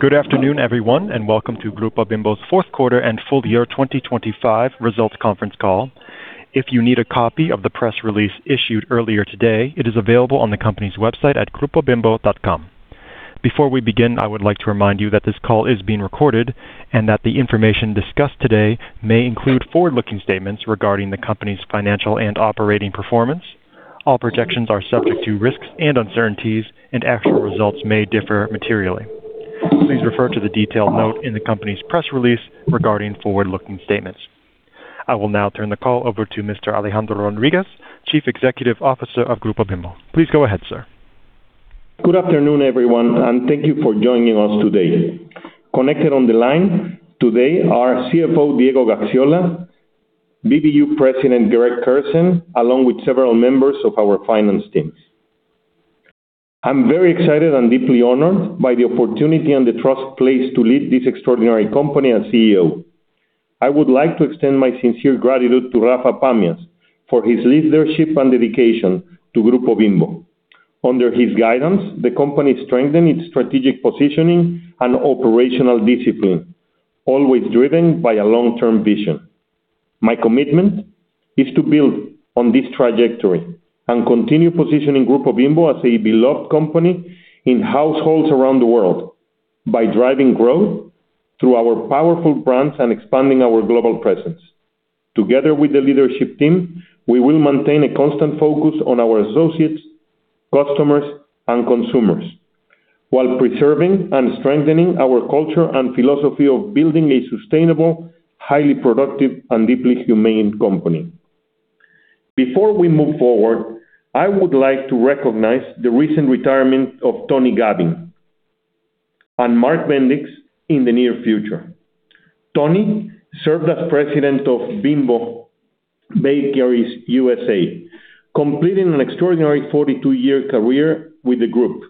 Good afternoon, everyone, and welcome to Grupo Bimbo's fourth quarter and full year 2025 results conference call. If you need a copy of the press release issued earlier today, it is available on the company's website at grupobimbo.com. Before we begin, I would like to remind you that this call is being recorded and that the information discussed today may include forward-looking statements regarding the company's financial and operating performance. All projections are subject to risks and uncertainties, and actual results may differ materially. Please refer to the detailed note in the company's press release regarding forward-looking statements. I will now turn the call over to Mr. Alejandro Rodríguez, Chief Executive Officer of Grupo Bimbo. Please go ahead, sir. Good afternoon, everyone, thank you for joining us today. Connected on the line today are CFO Diego Gaxiola, BBU President Greg Koehrsen, along with several members of our finance teams. I'm very excited and deeply honored by the opportunity and the trust placed to lead this extraordinary company as CEO. I would like to extend my sincere gratitude to Rafael Pamias for his leadership and dedication to Grupo Bimbo. Under his guidance, the company strengthened its strategic positioning and operational discipline, always driven by a long-term vision. My commitment is to build on this trajectory and continue positioning Grupo Bimbo as a beloved company in households around the world by driving growth through our powerful brands and expanding our global presence. Together with the leadership team, we will maintain a constant focus on our associates, customers, and consumers, while preserving and strengthening our culture and philosophy of building a sustainable, highly productive, and deeply humane company. Before we move forward, I would like to recognize the recent retirement of Tony Gavin and Mark Bendix in the near future. Tony served as President of Bimbo Bakeries USA, completing an extraordinary 42-year career with the group,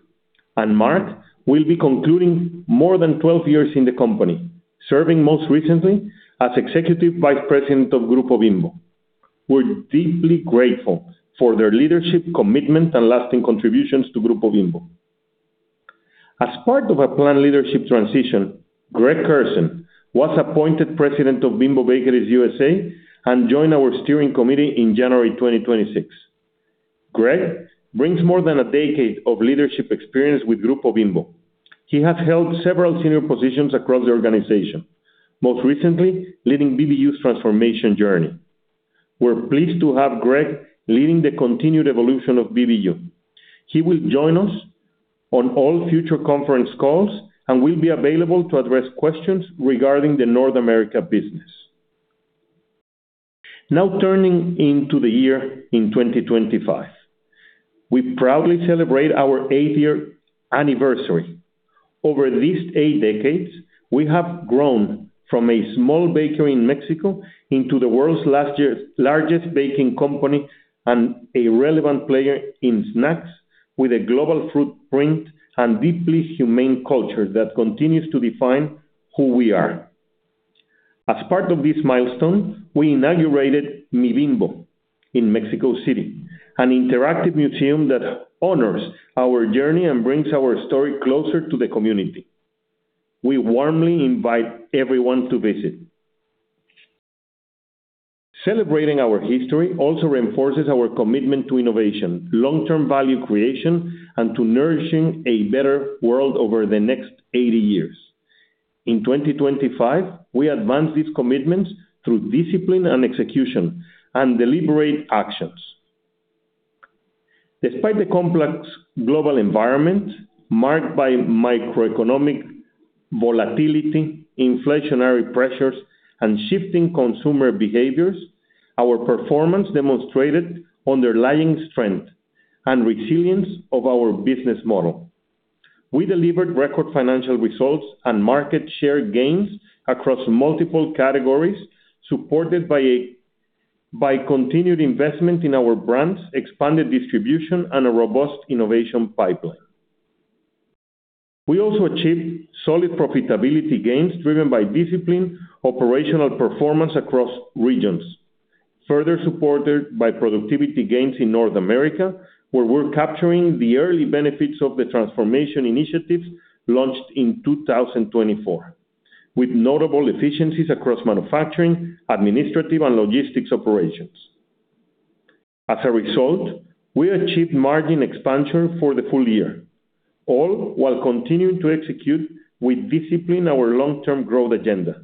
and Mark will be concluding more than 12 years in the company, serving most recently as Executive Vice President of Grupo Bimbo. We're deeply grateful for their leadership, commitment, and lasting contributions to Grupo Bimbo. As part of a planned leadership transition, Greg Koehrsen was appointed President of Bimbo Bakeries USA and joined our steering committee in January 2026. Greg brings more than a decade of leadership experience with Grupo Bimbo. He has held several senior positions across the organization, most recently leading BBU's transformation journey. We're pleased to have Greg leading the continued evolution of BBU. He will join us on all future conference calls and will be available to address questions regarding the North America business. Turning into the year in 2025, we proudly celebrate our 80-year anniversary. Over these eight decades, we have grown from a small bakery in Mexico into the world's largest baking company and a relevant player in snacks with a global footprint and deeply humane culture that continues to define who we are. As part of this milestone, we inaugurated MiBIMBO in Mexico City, an interactive museum that honors our journey and brings our story closer to the community. We warmly invite everyone to visit. Celebrating our history also reinforces our commitment to innovation, long-term value creation, and to nourishing a better world over the next 80 years. In 2025, we advanced these commitments through discipline and execution and deliberate actions. Despite the complex global environment marked by microeconomic volatility, inflationary pressures, and shifting consumer behaviors, our performance demonstrated underlying strength and resilience of our business model. We delivered record financial results and market share gains across multiple categories, supported by continued investment in our brands, expanded distribution, and a robust innovation pipeline. We also achieved solid profitability gains, driven by disciplined operational performance across regions, further supported by productivity gains in North America, where we're capturing the early benefits of the transformation initiatives launched in 2024, with notable efficiencies across manufacturing, administrative, and logistics operations. As a result, we achieved margin expansion for the full year, all while continuing to execute with discipline our long-term growth agenda,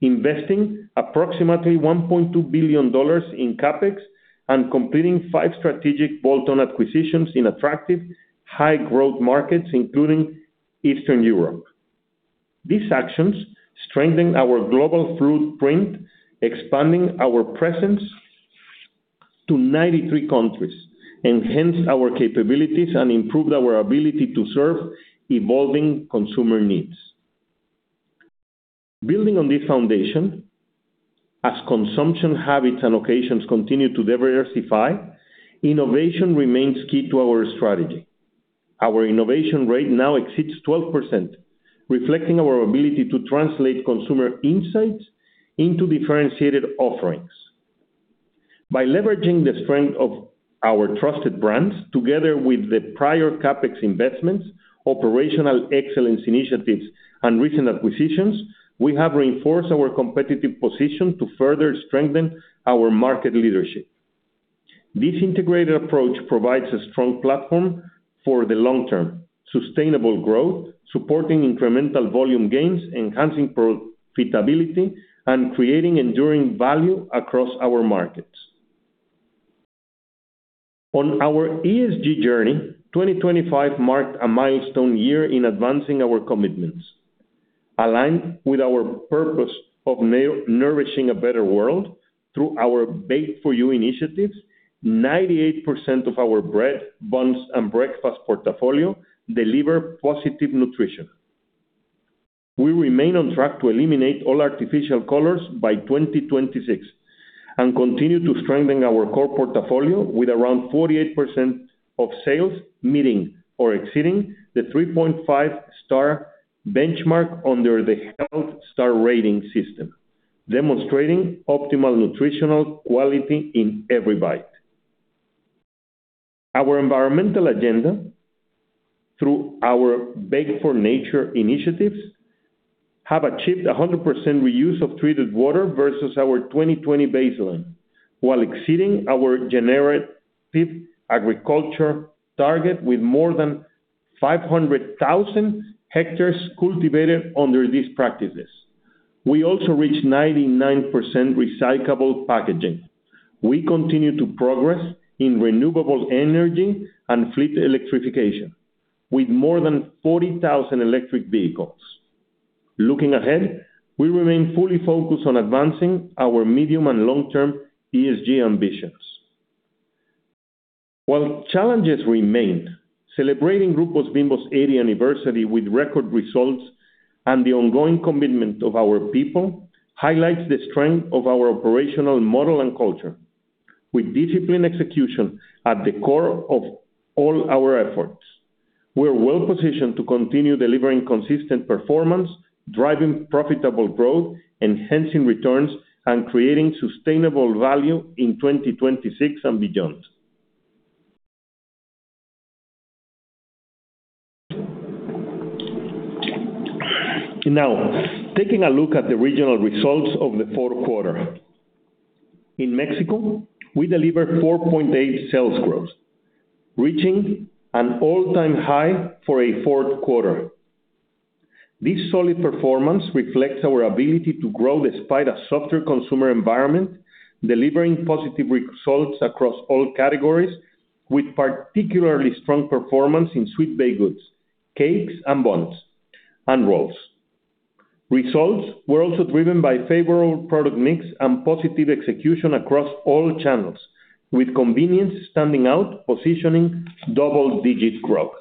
investing approximately $1.2 billion in CapEx and completing five strategic bolt-on acquisitions in attractive, high-growth markets, including Eastern Europe. These actions strengthen our global footprint, expanding our presence to 93 countries, enhance our capabilities, and improve our ability to serve evolving consumer needs. Building on this foundation, as consumption habits and occasions continue to diversify, innovation remains key to our strategy. Our innovation rate now exceeds 12%, reflecting our ability to translate consumer insights into differentiated offerings. By leveraging the strength of our trusted brands, together with the prior CapEx investments, operational excellence initiatives, and recent acquisitions, we have reinforced our competitive position to further strengthen our market leadership. This integrated approach provides a strong platform for the long-term sustainable growth, supporting incremental volume gains, enhancing profitability, and creating enduring value across our markets. On our ESG journey, 2025 marked a milestone year in advancing our commitments. Aligned with our purpose of nourishing a better world through our Baked for You initiatives, 98% of our bread, buns, and breakfast portfolio deliver positive nutrition. We remain on track to eliminate all artificial colors by 2026, and continue to strengthen our core portfolio with around 48% of sales meeting or exceeding the 3.5 star benchmark under the Health Star Rating system, demonstrating optimal nutritional quality in every bite. Our environmental agenda, through our Baked for Nature initiatives, have achieved 100% reuse of treated water versus our 2020 baseline, while exceeding our generative agriculture target with more than 500,000 hectares cultivated under these practices. We also reached 99% recyclable packaging. We continue to progress in renewable energy and fleet electrification, with more than 40,000 electric vehicles. Looking ahead, we remain fully focused on advancing our medium and long-term ESG ambitions. While challenges remain, celebrating Grupo Bimbo's 80 anniversary with record results and the ongoing commitment of our people, highlights the strength of our operational model and culture. With disciplined execution at the core of all our efforts, we're well-positioned to continue delivering consistent performance, driving profitable growth, enhancing returns, and creating sustainable value in 2026 and beyond. Now, taking a look at the regional results of the fourth quarter. In Mexico, we delivered 4.8% sales growth, reaching an all-time high for a fourth quarter. This solid performance reflects our ability to grow despite a softer consumer environment, delivering positive results across all categories, with particularly strong performance in sweet baked goods, cakes and buns, and rolls. Results were also driven by favorable product mix and positive execution across all channels, with convenience standing out, positioning double-digit growth.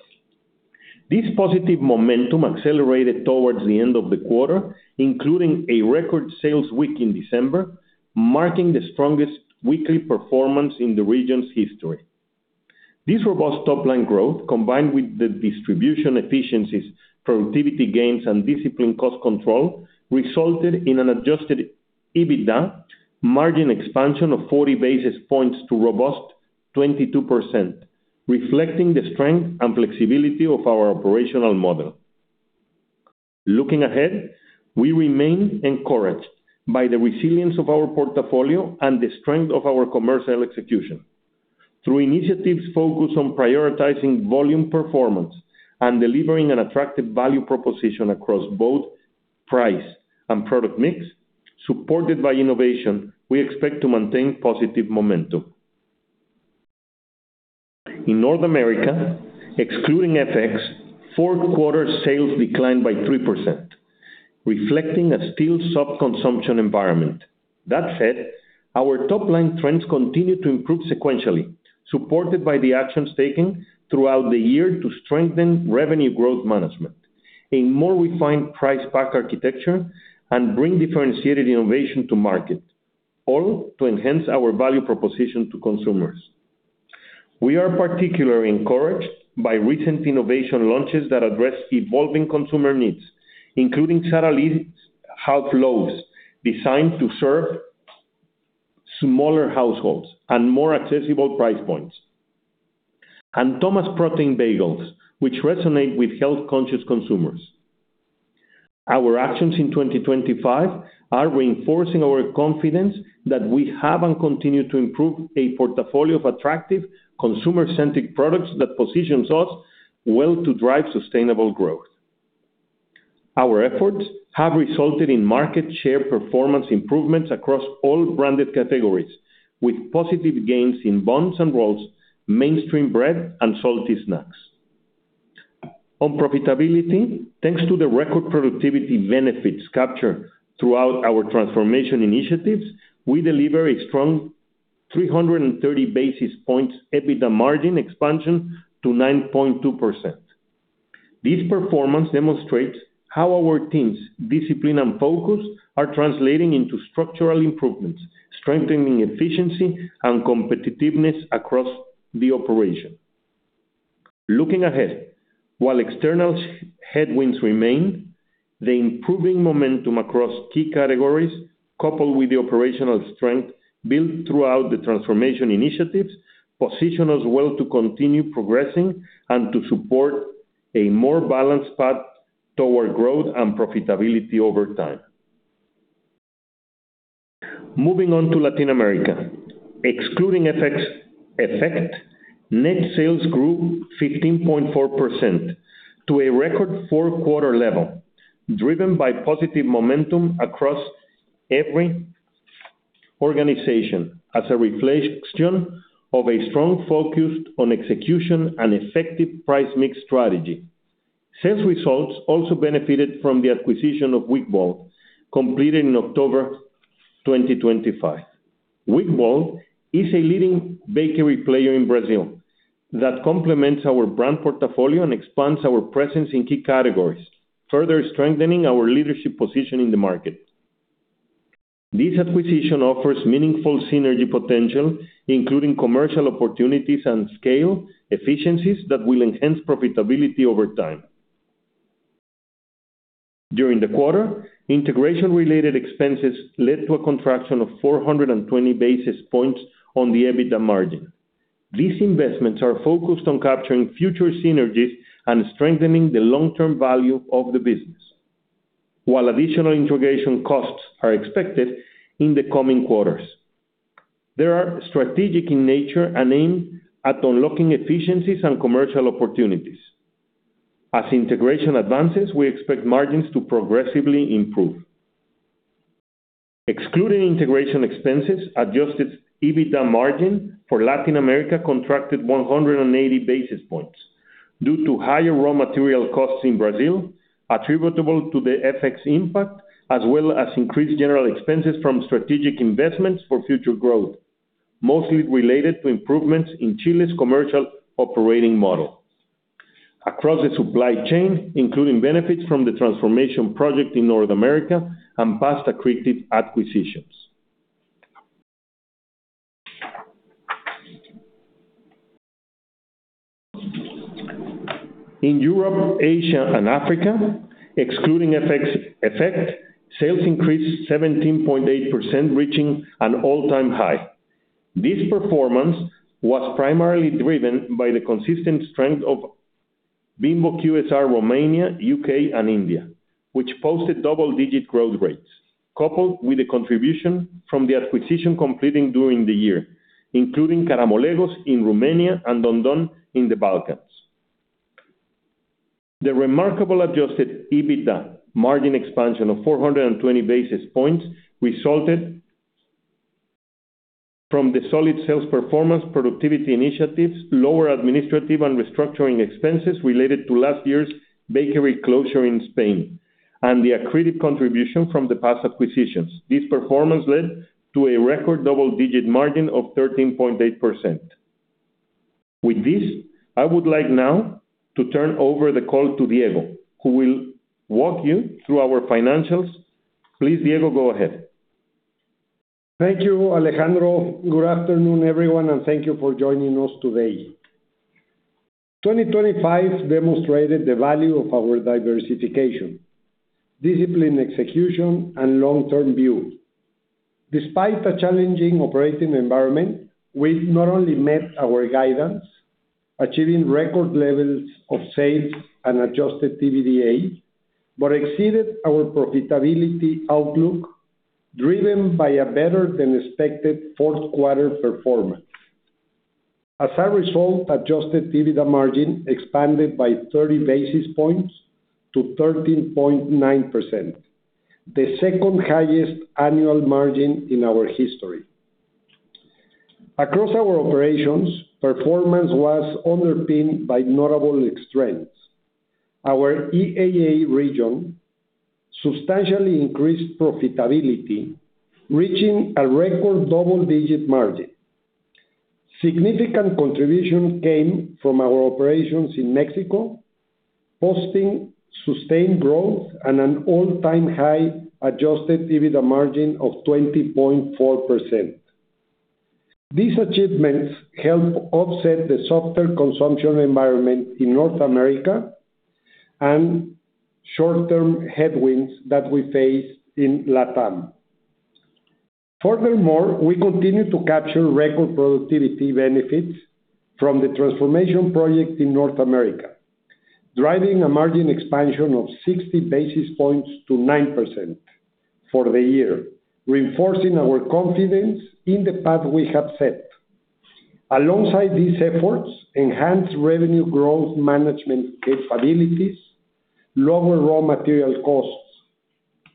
This positive momentum accelerated towards the end of the quarter, including a record sales week in December, marking the strongest weekly performance in the region's history. This robust top-line growth, combined with the distribution efficiencies, productivity gains, and disciplined cost control, resulted in an Adjusted EBITDA margin expansion of 40 basis points to robust 22%, reflecting the strength and flexibility of our operational model. Looking ahead, we remain encouraged by the resilience of our portfolio and the strength of our commercial execution. Through initiatives focused on prioritizing volume performance and delivering an attractive value proposition across both price and product mix, supported by innovation, we expect to maintain positive momentum. In North America, excluding FX, fourth quarter sales declined by 3%, reflecting a still sub-consumption environment. That said, our top-line trends continued to improve sequentially, supported by the actions taken throughout the year to strengthen revenue growth management, a more refined price pack architecture, and bring differentiated innovation to market, all to enhance our value proposition to consumers. We are particularly encouraged by recent innovation launches that address evolving consumer needs, including Sara Lee's half loaves, designed to serve smaller households and more accessible price points, and Thomas' High Protein Bagels, which resonate with health-conscious consumers. Our actions in 2025 are reinforcing our confidence that we have and continue to improve a portfolio of attractive, consumer-centric products that positions us well to drive sustainable growth. Our efforts have resulted in market share performance improvements across all branded categories, with positive gains in buns and rolls, mainstream bread, and salty snacks. On profitability, thanks to the record productivity benefits captured throughout our transformation initiatives, we deliver a strong 330 basis points EBITDA margin expansion to 9.2%. This performance demonstrates how our team's discipline and focus are translating into structural improvements, strengthening efficiency and competitiveness across the operation. Looking ahead, while external headwinds remain, the improving momentum across key categories, coupled with the operational strength built throughout the transformation initiatives, position us well to continue progressing and to support a more balanced path toward growth and profitability over time. Moving on to Latin America. Excluding FX effect, net sales grew 15.4% to a record four-quarter level, driven by positive momentum across every organization as a reflection of a strong focus on execution and effective price mix strategy. Sales results also benefited from the acquisition of Wickbold, completed in October 2025. Wickbold is a leading bakery player in Brazil that complements our brand portfolio and expands our presence in key categories, further strengthening our leadership position in the market. This acquisition offers meaningful synergy potential, including commercial opportunities and scale efficiencies that will enhance profitability over time. During the quarter, integration-related expenses led to a contraction of 420 basis points on the EBITDA margin. These investments are focused on capturing future synergies and strengthening the long-term value of the business. While additional integration costs are expected in the coming quarters, they are strategic in nature and aimed at unlocking efficiencies and commercial opportunities. As integration advances, we expect margins to progressively improve. Excluding integration expenses, Adjusted EBITDA margin for Latin America contracted 180 basis points due to higher raw material costs in Brazil, attributable to the FX impact, as well as increased general expenses from strategic investments for future growth, mostly related to improvements in Chile's commercial operating model. Across the supply chain, including benefits from the transformation project in North America and past accretive acquisitions. In Europe, Asia, and Africa, excluding FX effect, sales increased 17.8%, reaching an all-time high. This performance was primarily driven by the consistent strength of Bimbo QSR, Romania, U.K., and India, which posted double-digit growth rates, coupled with the contribution from the acquisition completing during the year, including Karamolegos in Romania and Don Don in the Balkans. The remarkable Adjusted EBITDA margin expansion of 420 basis points resulted from the solid sales performance, productivity initiatives, lower administrative and restructuring expenses related to last year's bakery closure in Spain, and the accreted contribution from the past acquisitions. This performance led to a record double-digit margin of 13.8%. With this, I would like now to turn over the call to Diego, who will walk you through our financials. Please, Diego, go ahead. Thank you, Alejandro. Good afternoon, everyone. Thank you for joining us today. 2025 demonstrated the value of our diversification, discipline, execution, and long-term view. Despite a challenging operating environment, we not only met our guidance, achieving record levels of sales and Adjusted EBITDA, but exceeded our profitability outlook, driven by a better-than-expected fourth quarter performance. As a result, Adjusted EBITDA margin expanded by 30 basis points to 13.9%, the second highest annual margin in our history. Across our operations, performance was underpinned by notable strengths. Our EAA region substantially increased profitability, reaching a record double-digit margin. Significant contribution came from our operations in Mexico, posting sustained growth and an all-time high Adjusted EBITDA margin of 20.4%. These achievements helped offset the softer consumption environment in North America and short-term headwinds that we face in LATAM. Furthermore, we continue to capture record productivity benefits from the transformation project in North America, driving a margin expansion of 60 basis points to 9% for the year, reinforcing our confidence in the path we have set. Alongside these efforts, enhanced revenue growth management capabilities, lower raw material costs,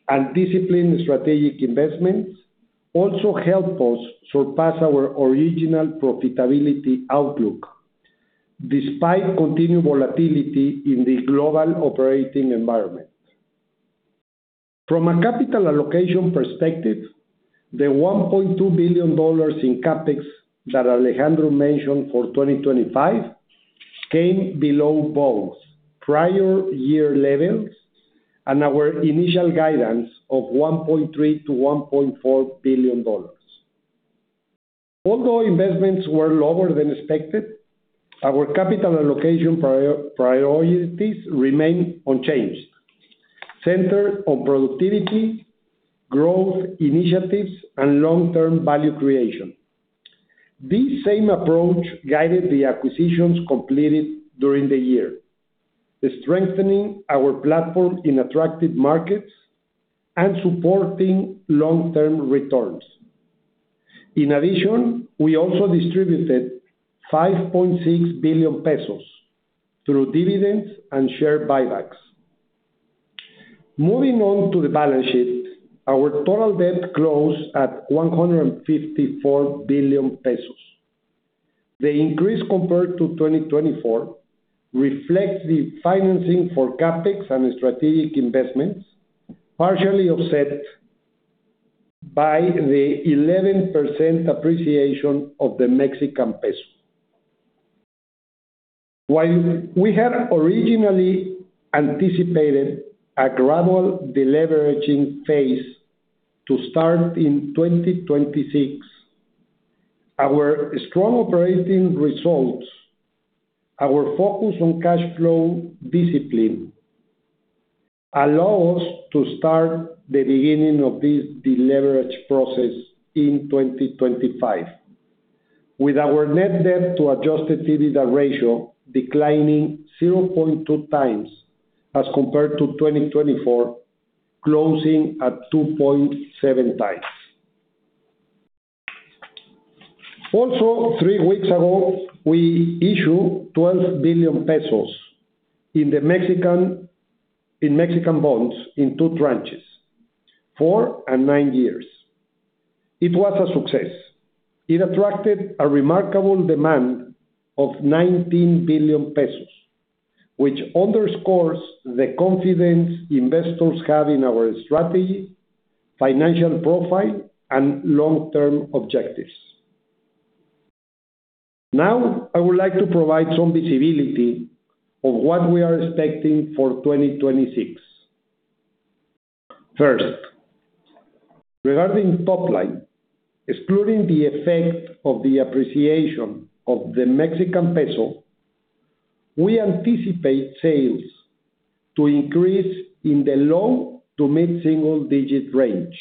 and disciplined strategic investments also helped us surpass our original profitability outlook, despite continued volatility in the global operating environment. From a capital allocation perspective, the $1.2 billion in CapEx that Alejandro mentioned for 2025 came below both prior year levels and our initial guidance of $1.3 billion-$1.4 billion. Although investments were lower than expected, our capital allocation priorities remained unchanged, centered on productivity, growth initiatives, and long-term value creation. This same approach guided the acquisitions completed during the year, strengthening our platform in attractive markets and supporting long-term returns. We also distributed 5.6 billion pesos through dividends and share buybacks. Our total debt closed at 154 billion pesos. The increase compared to 2024 reflects the financing for CapEx and strategic investments, partially offset by the 11% appreciation of the Mexican peso. While we had originally anticipated a gradual deleveraging phase to start in 2026, our strong operating results, our focus on cash flow discipline, allow us to start the beginning of this deleverage process in 2025, with our net debt to Adjusted EBITDA ratio declining 0.2x as compared to 2024, closing at 2.7x. Three weeks ago, we issued 12 billion pesos in Mexican bonds in two tranches, four and nine years. It was a success. It attracted a remarkable demand of 19 billion pesos, which underscores the confidence investors have in our strategy, financial profile, and long-term objectives. I would like to provide some visibility of what we are expecting for 2026. First, regarding top line, excluding the effect of the appreciation of the Mexican peso, we anticipate sales to increase in the low to mid-single-digit range,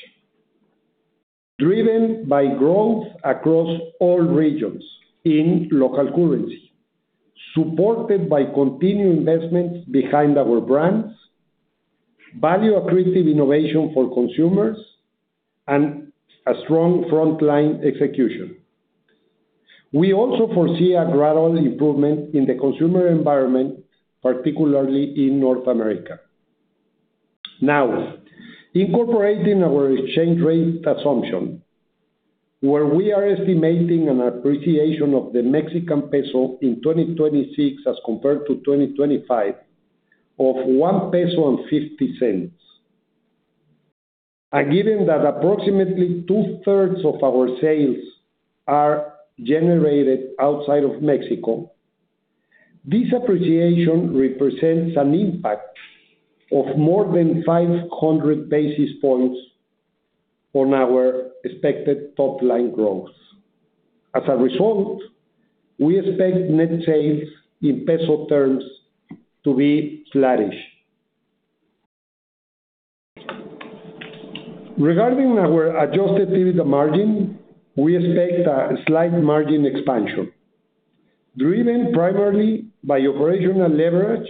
driven by growth across all regions in local currency, supported by continued investments behind our brands, value-accretive innovation for consumers, and a strong frontline execution. We also foresee a gradual improvement in the consumer environment, particularly in North America. Incorporating our exchange rate assumption, where we are estimating an appreciation of the Mexican peso in 2026 as compared to 2025 of 1.50 peso. Given that approximately two-thirds of our sales are generated outside of Mexico, this appreciation represents an impact of more than 500 basis points on our expected top-line growth. As a result, we expect net sales in peso terms to be flattish. Regarding our Adjusted EBITDA margin, we expect a slight margin expansion, driven primarily by operational leverage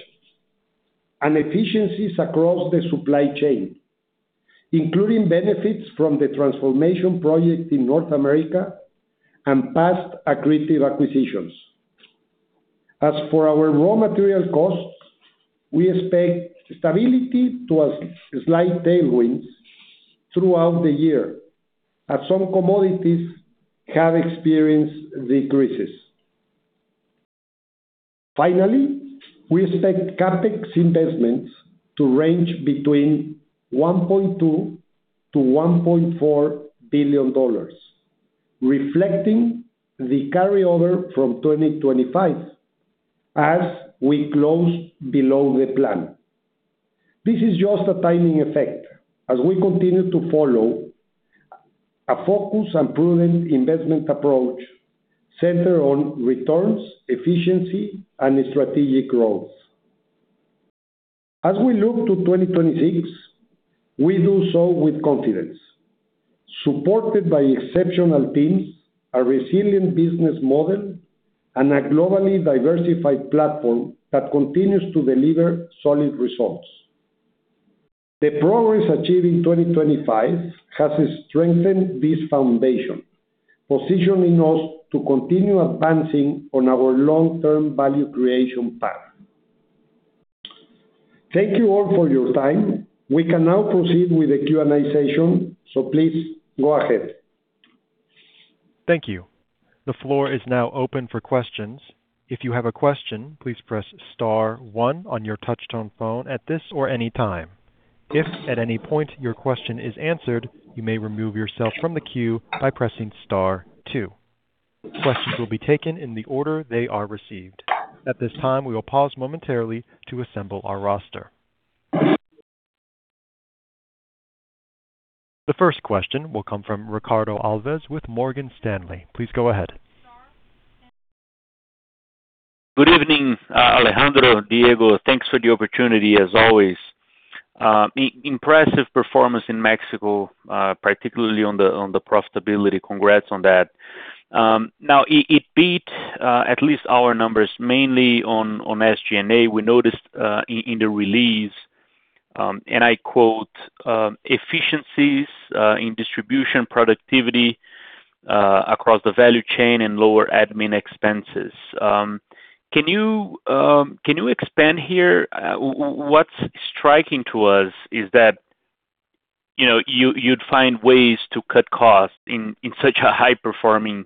and efficiencies across the supply chain, including benefits from the transformation project in North America and past accretive acquisitions. As for our raw material costs, we expect stability to a slight tailwind throughout the year, as some commodities have experienced decreases. We expect CapEx investments to range between $1.2 billion-$1.4 billion, reflecting the carryover from 2025 as we close below the plan. This is just a timing effect as we continue to follow a focused and prudent investment approach centered on returns, efficiency, and strategic growth. As we look to 2026, we do so with confidence, supported by exceptional teams, a resilient business model, and a globally diversified platform that continues to deliver solid results. The progress achieved in 2025 has strengthened this foundation, positioning us to continue advancing on our long-term value creation path. Thank you all for your time. We can now proceed with the Q&A session, please go ahead. Thank you. The floor is now open for questions. If you have a question, please press star one on your touchtone phone at this or any time. If at any point your question is answered, you may remove yourself from the queue by pressing star two. Questions will be taken in the order they are received. At this time, we will pause momentarily to assemble our roster. The first question will come from Ricardo Alves with Morgan Stanley. Please go ahead. Good evening, Alejandro Rodríguez, Diego Gaxiola. Thanks for the opportunity, as always. Impressive performance in Mexico, particularly on the profitability. Congrats on that. Now, it beat at least our numbers, mainly on SG&A. We noticed in the release, and I quote, "Efficiencies in distribution, productivity across the value chain and lower admin expenses." Can you expand here? What's striking to us is that, you know, you'd find ways to cut costs in such a high-performing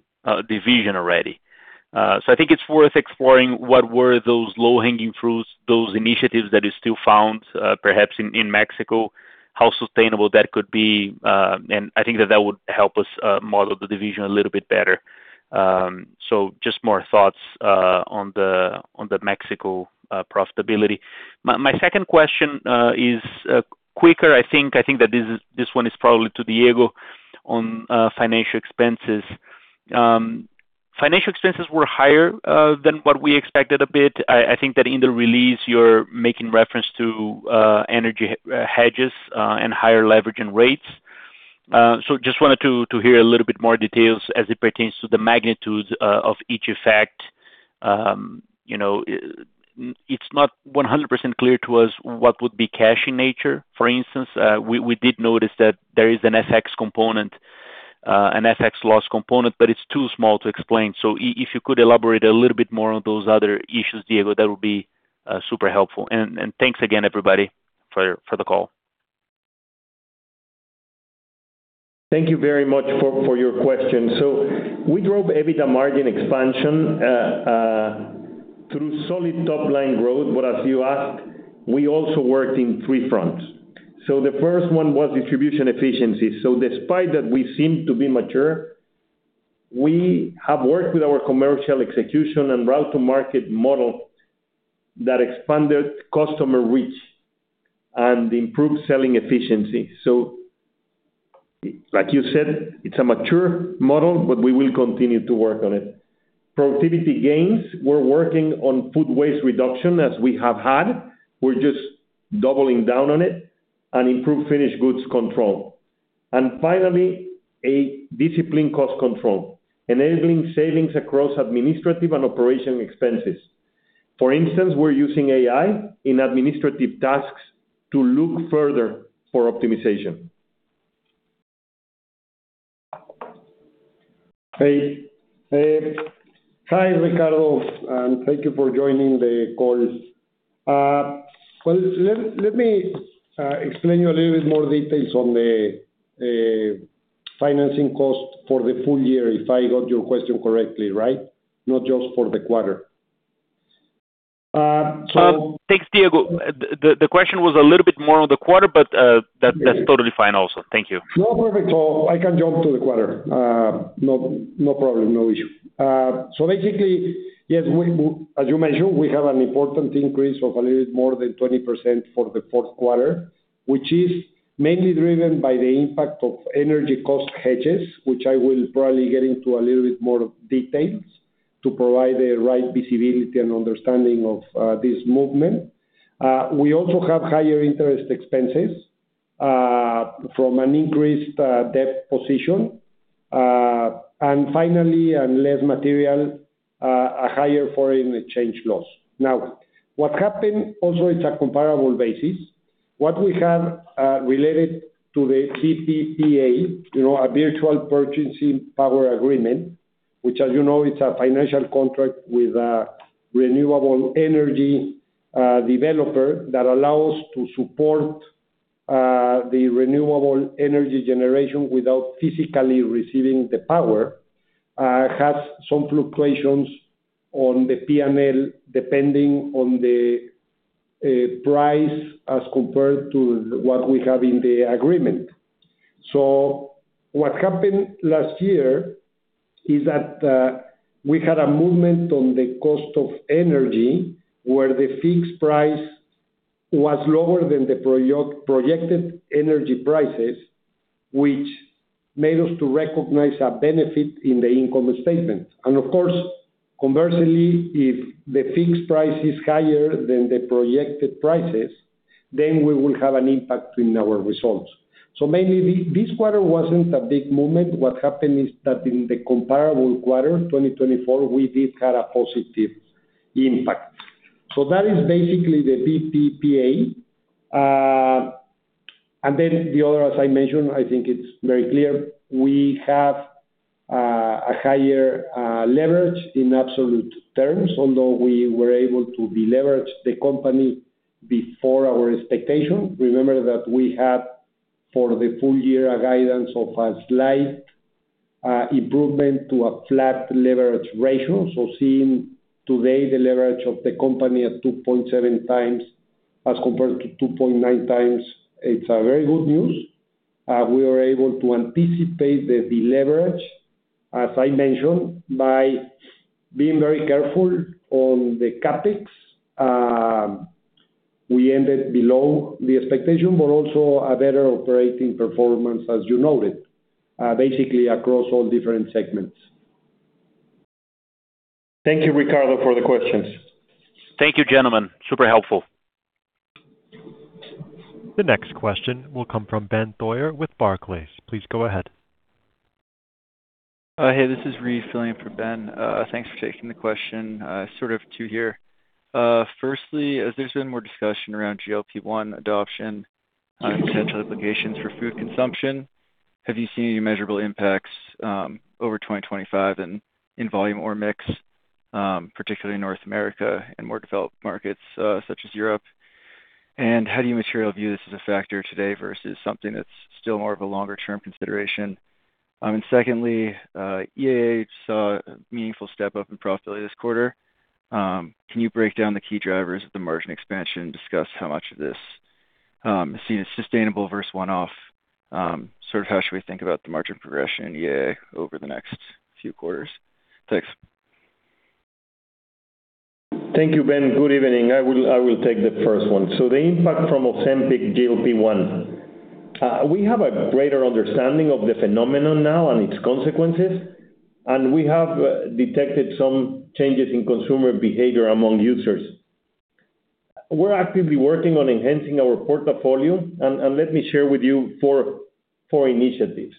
division already. I think it's worth exploring what were those low-hanging fruits, those initiatives that you still found, perhaps in Mexico, how sustainable that could be, and I think that that would help us model the division a little bit better. Just more thoughts on the Mexico profitability. My second question is quicker, I think. I think that this one is probably to Diego on financial expenses. Financial expenses were higher than what we expected a bit. I think that in the release, you're making reference to energy hedges and higher leverage and rates. Just wanted to hear a little bit more details as it pertains to the magnitude of each effect. You know, it's not 100% clear to us what would be cash in nature. For instance, we did notice that there is an FX component, an FX loss component, but it's too small to explain. If you could elaborate a little bit more on those other issues, Diego, that would be super helpful. And thanks again, everybody, for the call. Thank you very much for your question. We drove EBITDA margin expansion through solid top-line growth, but as you asked, we also worked in three fronts. The first one was distribution efficiency. Despite that we seem to be mature, we have worked with our commercial execution and route to market model that expanded customer reach and improved selling efficiency. Like you said, it's a mature model, but we will continue to work on it. Productivity gains, we're working on food waste reduction, as we have had. We're just doubling down on it and improve finished goods control. Finally, a disciplined cost control, enabling savings across administrative and operation expenses. For instance, we're using AI in administrative tasks to look further for optimization. Hey, hi, Ricardo, and thank you for joining the call. Let me explain you a little bit more details on the financing cost for the full year, if I got your question correctly, right? Not just for the quarter. Thanks, Diego. The question was a little bit more on the quarter, but. Okay. That's totally fine also. Thank you. No, perfect. I can jump to the quarter. No, no problem, no issue. Basically, yes, we, as you mentioned, we have an important increase of a little more than 20% for the fourth quarter, which is mainly driven by the impact of energy cost hedges, which I will probably get into a little bit more details to provide the right visibility and understanding of this movement. We also have higher interest expenses from an increased debt position, and finally, and less material, a higher foreign exchange loss. Now, what happened also, it's a comparable basis. What we have, related to the VPPA, you know, a virtual purchasing power agreement, which, as you know, it's a financial contract with a renewable energy developer, that allows to support the renewable energy generation without physically receiving the power, has some fluctuations on the P&L, depending on the price as compared to what we have in the agreement. What happened last year is that we had a movement on the cost of energy, where the fixed price was lower than the projected energy prices, which made us to recognize a benefit in the income statement. Of course, conversely, if the fixed price is higher than the projected prices, then we will have an impact in our results. Mainly, this quarter wasn't a big movement. What happened is that in the comparable quarter, 2024, we did have a positive impact. That is basically the VPPA. The other, as I mentioned, I think it's very clear, we have a higher leverage in absolute terms, although we were able to deleverage the company before our expectation. Remember that we had, for the full year, a guidance of a slight improvement to a flat leverage ratio. Seeing today the leverage of the company at 2.7x as compared to 2.9x, it's a very good news. We were able to anticipate the deleverage. As I mentioned, by being very careful on the CapEx, we ended below the expectation, but also a better operating performance, as you noted, basically across all different segments. Thank you, Ricardo, for the questions. Thank you, gentlemen. Super helpful. The next question will come from Benjamin Theurer with Barclays. Please go ahead. Hey, this is Ree filling in for Ben. Thanks for taking the question. Sort of two here. Firstly, as there's been more discussion around GLP-1 adoption and potential implications for food consumption, have you seen any measurable impacts over 2025 in volume or mix, particularly in North America and more developed markets, such as Europe? How do you materially view this as a factor today versus something that's still more of a longer-term consideration? Secondly, EAA saw a meaningful step-up in profitability this quarter. Can you break down the key drivers of the margin expansion and discuss how much of this is seen as sustainable versus one-off? Sort of how should we think about the margin progression in EAA over the next few quarters? Thanks. Thank you, Ben. Good evening. I will take the first one. The impact from Ozempic GLP-1. We have a greater understanding of the phenomenon now and its consequences, and we have detected some changes in consumer behavior among users. We're actively working on enhancing our portfolio, and let me share with you four initiatives.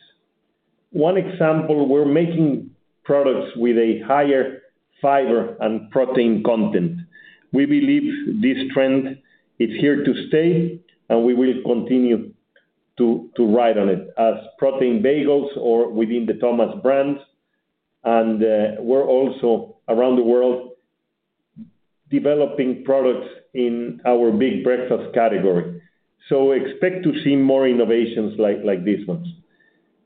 One example, we're making products with a higher fiber and protein content. We believe this trend is here to stay, and we will continue to ride on it as protein bagels or within the Thomas' brands. We're also, around the world, developing products in our big breakfast category. Expect to see more innovations like these ones.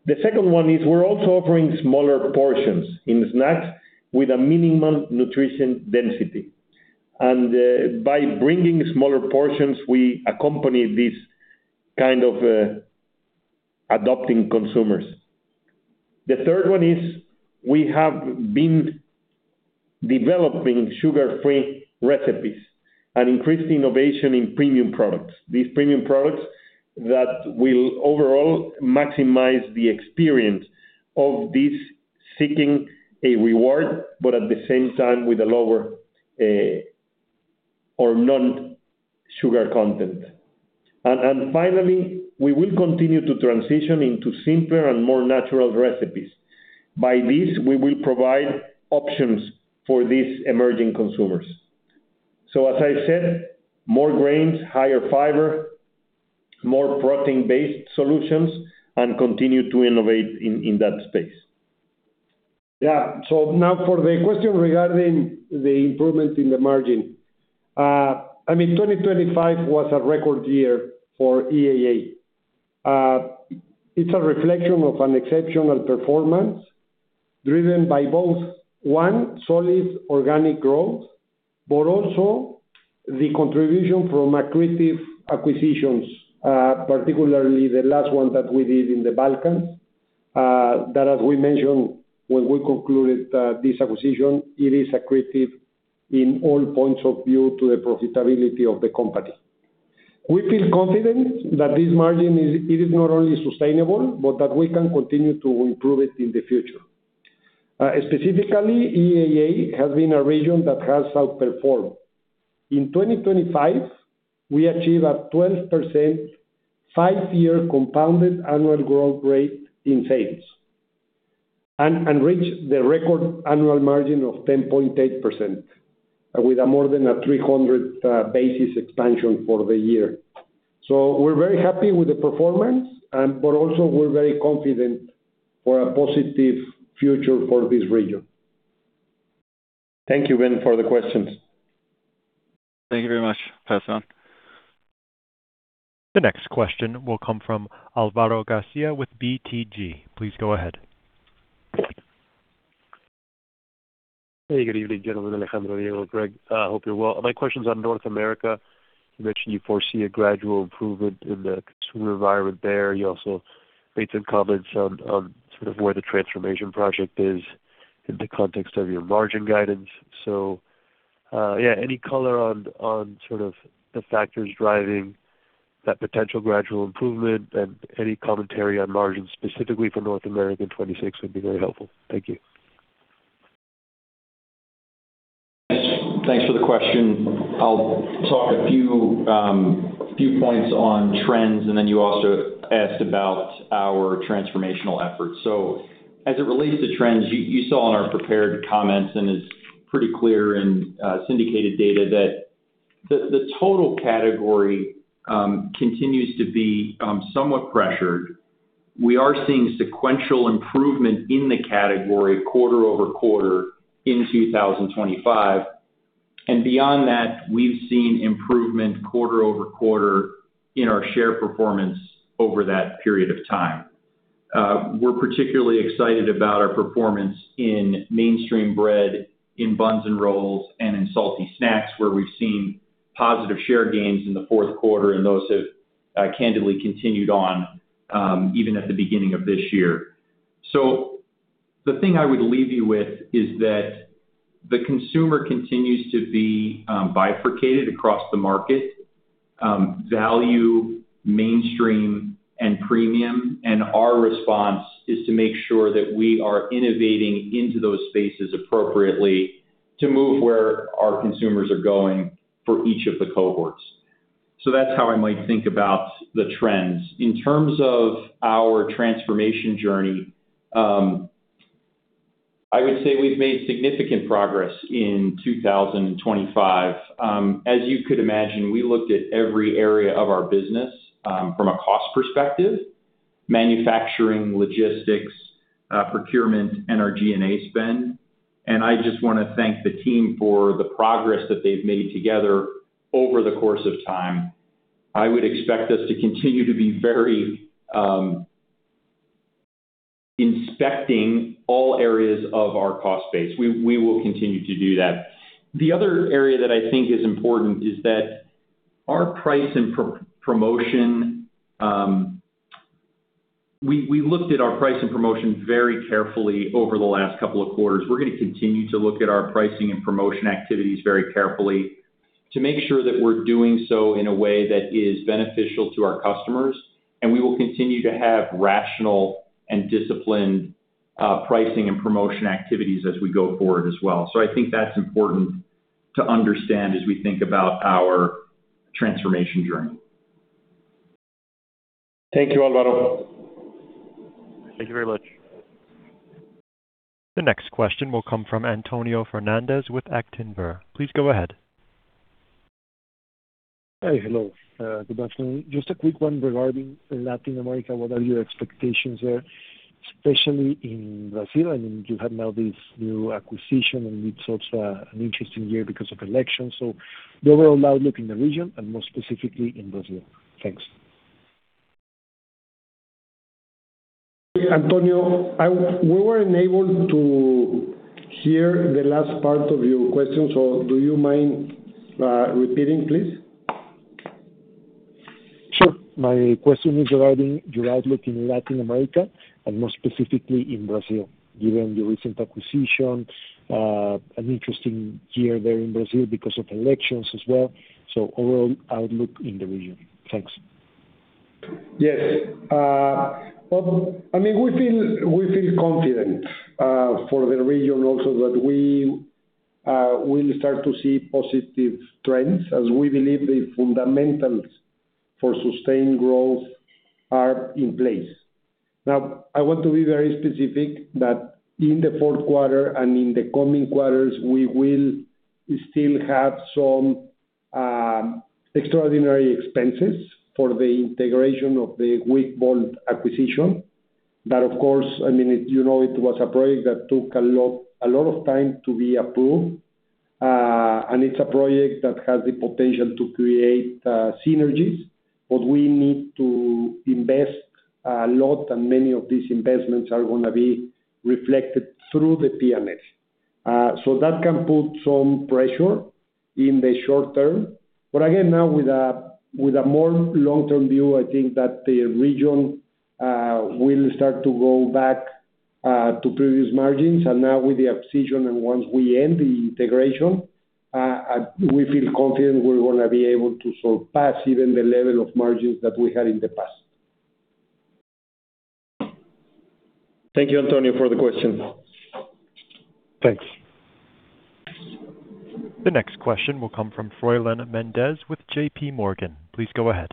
The second one is we're also offering smaller portions in snacks with a minimal nutrition density. By bringing smaller portions, we accompany these kind of, adopting consumers. The third one is we have been developing sugar-free recipes and increased innovation in premium products. These premium products that will overall maximize the experience of this seeking a reward, but at the same time, with a lower, or non-sugar content. Finally, we will continue to transition into simpler and more natural recipes. By this, we will provide options for these emerging consumers. As I said, more grains, higher fiber, more protein-based solutions, and continue to innovate in that space. Now for the question regarding the improvement in the margin. 2025 was a record year for EAA. It's a reflection of an exceptional performance driven by both, one, solid organic growth, but also the contribution from accretive acquisitions, particularly the last one that we did in the Balkans, that, as we mentioned, when we concluded, this acquisition, it is accretive in all points of view to the profitability of the company. We feel confident that this margin is not only sustainable, but that we can continue to improve it in the future. Specifically, EAA has been a region that has outperformed. In 2025, we achieved a 12% 5-year compounded annual growth rate in sales and reached the record annual margin of 10.8%, with a more than a 300 basis expansion for the year. We're very happy with the performance and but also we're very confident for a positive future for this region. Thank you, Ben, for the questions. Thank you very much. Pass on. The next question will come from Alvaro Garcia with BTG. Please go ahead. Hey, good evening, gentlemen. Alejandro Diego, Greg, hope you're well. My question's on North America. You mentioned you foresee a gradual improvement in the consumer environment there. You also made some comments on sort of where the transformation project is in the context of your margin guidance. Yeah, any color on sort of the factors driving that potential gradual improvement and any commentary on margins, specifically for North America in 2026, would be very helpful. Thank you. Thanks for the question. I'll talk a few points on trends, and then you also asked about our transformational efforts. As it relates to trends, you saw in our prepared comments, and it's pretty clear in syndicated data, that the total category continues to be somewhat pressured. We are seeing sequential improvement in the category quarter over quarter in 2025, and beyond that, we've seen improvement quarter over quarter in our share performance over that period of time. We're particularly excited about our performance in mainstream bread, in buns and rolls, and in salty snacks, where we've seen positive share gains in the fourth quarter, and those have candidly continued on even at the beginning of this year. The thing I would leave you with is that the consumer continues to be bifurcated across the market. Value, mainstream, and premium, and our response is to make sure that we are innovating into those spaces appropriately to move where our consumers are going for each of the cohorts. That's how I might think about the trends. In terms of our transformation journey, I would say we've made significant progress in 2025. As you could imagine, we looked at every area of our business from a cost perspective: manufacturing, logistics, procurement, and our G&A spend. I just wanna thank the team for the progress that they've made together over the course of time. I would expect us to continue to be very inspecting all areas of our cost base. We will continue to do that. The other area that I think is important is that our price and promotion. We looked at our price and promotion very carefully over the last couple of quarters. We're gonna continue to look at our pricing and promotion activities very carefully to make sure that we're doing so in a way that is beneficial to our customers. We will continue to have rational and disciplined pricing and promotion activities as we go forward as well. I think that's important to understand as we think about our transformation journey. Thank you, Alvaro. Thank you very much. The next question will come from Antonio Fernandez with Actinver. Please go ahead. Hi. Hello, good afternoon. Just a quick one regarding Latin America, what are your expectations there, especially in Brazil? I mean, you have now this new acquisition, it's also an interesting year because of elections. The overall outlook in the region and more specifically in Brazil. Thanks. Antonio, we weren't able to hear the last part of your question, so do you mind repeating, please? Sure. My question is regarding your outlook in Latin America and more specifically in Brazil, given the recent acquisition, an interesting year there in Brazil because of elections as well. Overall outlook in the region. Thanks. Yes. Well, we feel confident for the region also, that we will start to see positive trends as we believe the fundamentals for sustained growth are in place. Now, I want to be very specific that in the fourth quarter and in the coming quarters, we will still have some extraordinary expenses for the integration of the Wickbold acquisition. Of course, you know, it was a project that took a lot of time to be approved, and it's a project that has the potential to create synergies. We need to invest a lot, and many of these investments are gonna be reflected through the P&L. That can put some pressure in the short term. Again, now with a more long-term view, I think that the region will start to go back to previous margins. Now with the acquisition, and once we end the integration, we feel confident we're gonna be able to surpass even the level of margins that we had in the past. Thank you, Antonio, for the question. Thanks. The next question will come from Froylan Mendez with JPMorgan. Please go ahead.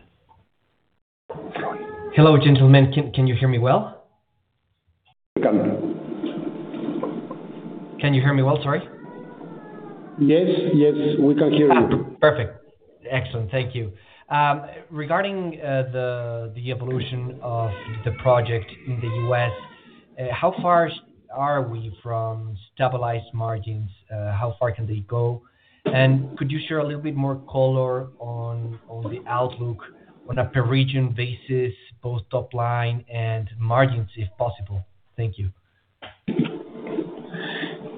Hello, gentlemen. Can you hear me well? We can. Can you hear me well, sorry? Yes, yes, we can hear you. Perfect. Excellent. Thank you. Regarding the evolution of the project in the U.S., how far are we from stabilized margins? How far can they go? Could you share a little bit more color on the outlook on a per region basis, both top line and margins, if possible? Thank you.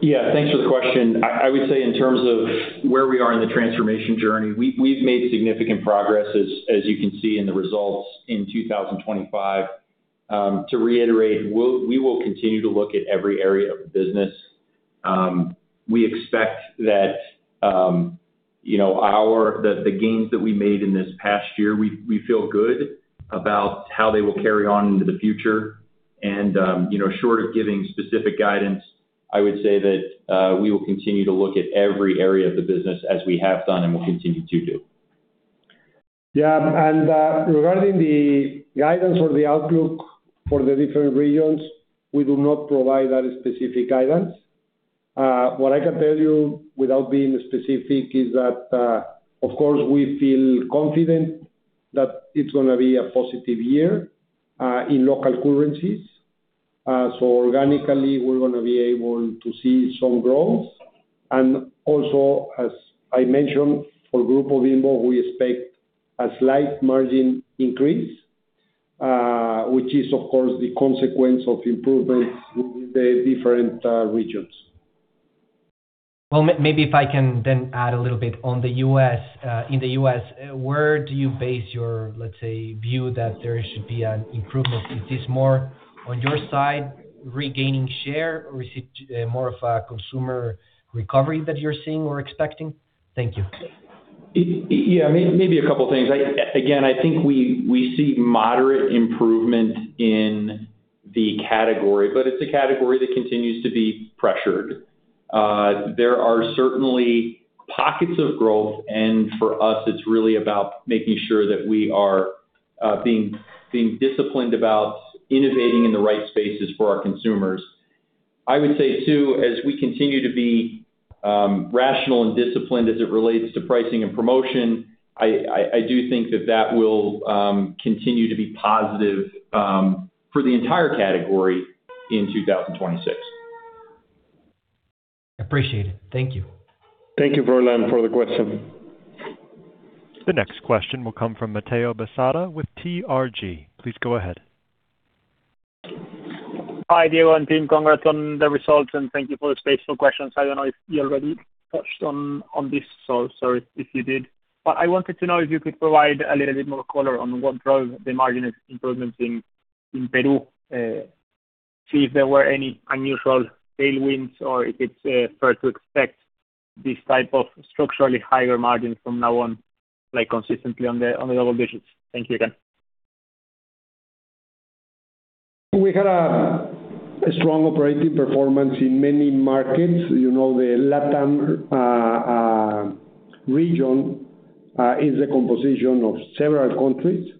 Yeah, thanks for the question. I would say in terms of where we are in the transformation journey, we've made significant progress, as you can see in the results in 2025. To reiterate, we will continue to look at every area of the business. We expect that, you know, the gains that we made in this past year, we feel good about how they will carry on into the future. You know, short of giving specific guidance, I would say that we will continue to look at every area of the business as we have done and will continue to do. Regarding the guidance or the outlook for the different regions, we do not provide that specific guidance. What I can tell you, without being specific, is that, of course, we feel confident that it's gonna be a positive year in local currencies. Organically, we're gonna be able to see some growth. Also, as I mentioned, for Grupo Bimbo, we expect a slight margin increase, which is, of course, the consequence of improvements in the different regions. Well, maybe if I can then add a little bit on the U.S. In the U.S., where do you base your, let's say, view that there should be an improvement? Is this more on your side, regaining share, or is it more of a consumer recovery that you're seeing or expecting? Thank you. Yeah, maybe a couple of things. I, again, I think we see moderate improvement in the category, but it's a category that continues to be pressured. There are certainly pockets of growth, and for us, it's really about making sure that we are, being disciplined about innovating in the right spaces for our consumers. I would say, too, as we continue to be, rational and disciplined as it relates to pricing and promotion, I, I do think that that will, continue to be positive, for the entire category in 2026. Appreciate it. Thank you. Thank you, Froylan, for the question. The next question will come from Matteo Besada with TRG. Please go ahead. Hi, Diego and team. Congrats on the results, and thank you for the space for questions. I don't know if you already touched on this, so sorry if you did, but I wanted to know if you could provide a little bit more color on what drove the margin improvements in Peru. See if there were any unusual tailwinds or if it's fair to expect this type of structurally higher margin from now on, like, consistently on the double digits. Thank you again. We had a strong operating performance in many markets. You know, the LATAM region is a composition of several countries.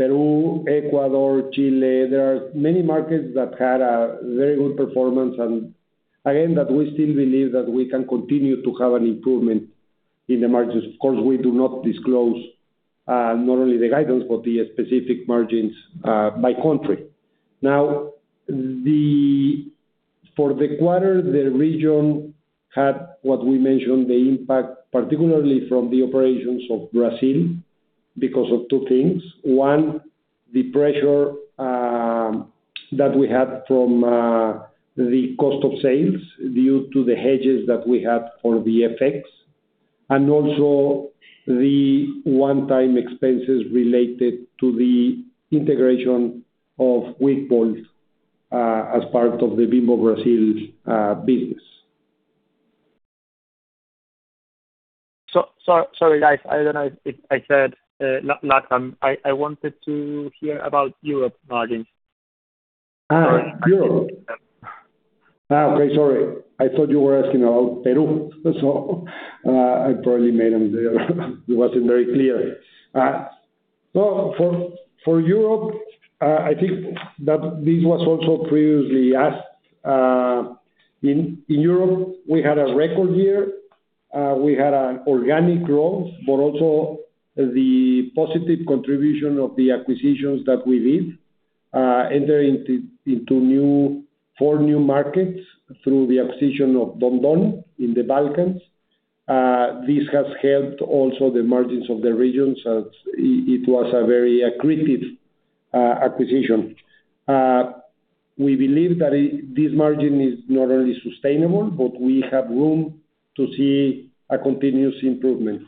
Peru, Ecuador, Chile, there are many markets that had a very good performance. Again, that we still believe that we can continue to have an improvement in the margins. Of course, we do not disclose not only the guidance, but the specific margins by country. For the quarter, the region had, what we mentioned, the impact, particularly from the operations of Brazil, because of two things. One, the pressure that we had from the cost of sales due to the hedges that we had for the FX, and also the one-time expenses related to the integration of Wickbold as part of the Bimbo Brazil business. sorry, guys, I don't know if I said, LATAM. I wanted to hear about Europe margins. Europe. Okay, sorry. I thought you were asking about Peru, I probably made them there. It wasn't very clear. For Europe, I think that this was also previously asked. In Europe, we had a record year. We had an organic growth, also the positive contribution of the acquisitions that we did, enter into four new markets through the acquisition of Don Don in the Balkans. This has helped also the margins of the region, it was a very accretive acquisition. We believe that this margin is not only sustainable, we have room to see a continuous improvement.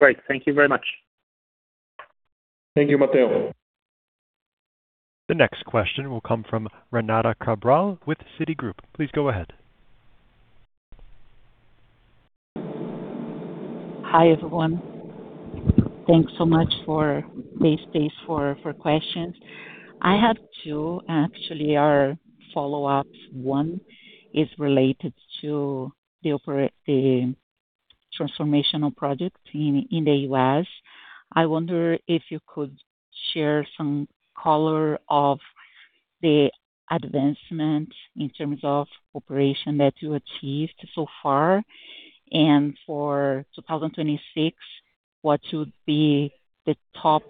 Great. Thank you very much. Thank you, Matteo. The next question will come from Renata Cabral with Citigroup. Please go ahead. Hi, everyone. Thanks so much for this space for questions. I have two, actually, are follow-ups. One is related to the transformational project in the US. I wonder if you could share some color of the advancement in terms of operation that you achieved so far. For 2026, what would be the top